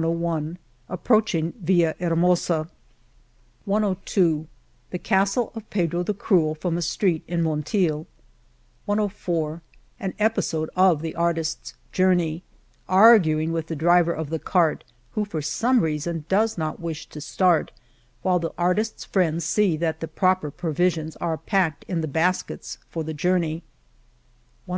, gg Approaching ViUahermosa^ ..... loi The Castle of Pedro the Cruel ^ from a street in Monteil, 102 An episode of the artisf s journey : Arguing with the driver of the cart, who for some reason does not wish to start y while the artisf s friends see that the proper provisions are packed in the baskets for the journey y ........